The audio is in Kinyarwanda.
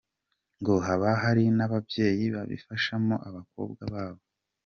Ngo haba hari n’ababyeyi babifashamo abakobwa babo.